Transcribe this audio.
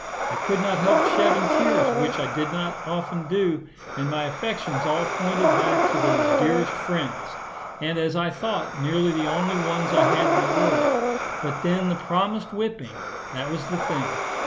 I could not help shedding tears, which I did not often do, and my affections all pointed back to those dearest friends, and as I thought, nearly the only ones I had in the world; but then the promised whipping that was the thing.